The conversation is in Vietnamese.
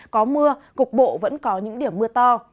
có mưa cục bộ vẫn có những điểm mưa to